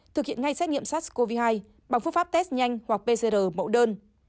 thực hiện ngay xét nghiệm sars cov hai bằng phương pháp test nhanh hoặc pcr mẫu đơn